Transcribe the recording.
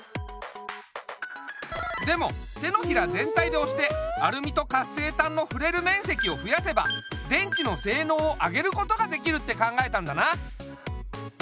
でも手のひら全体でおしてアルミと活性炭のふれるめんせきをふやせば電池のせいのうを上げることができるって考えたんだな。